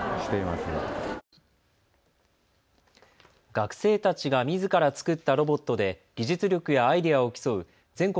学生たちがみずから作ったロボットで技術力やアイデアを競う全国